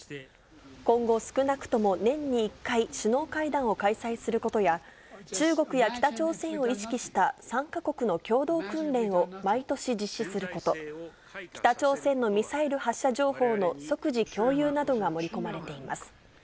今後、少なくとも年に１回、首脳会談を開催することや、中国や北朝鮮を意識した３か国の共同訓練を毎年実施すること、北朝鮮のミサイル発射情報の即時共有などが盛り込まれています。